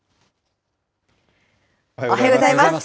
おはようございます。